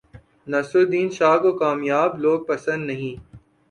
نصیرالدین شاہ کو کامیاب لوگ پسند نہیں